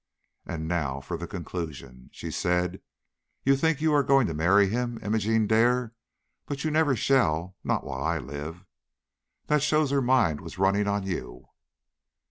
And now for the conclusion. She said: 'You think you are going to marry him, Imogene Dare; but you never shall, not while I live.' That shows her mind was running on you."